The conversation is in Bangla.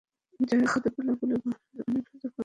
যাওয়ার পথে কোলাকুলি করার অনেক সুযোগ পাবে।